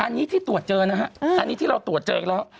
อันนี้ที่ตรวจเจอนะฮะอันนี้ที่เราตรวจเจอแล้ว